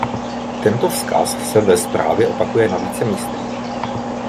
Tento vzkaz se ve zprávě opakuje na více místech.